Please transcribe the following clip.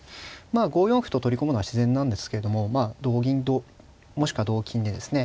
５四歩と取り込むのは自然なんですけどもまあ同銀ともしくは同金でですね